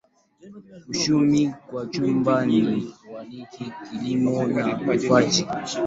Uchumi kwa jumla ni wa kilimo na ufugaji.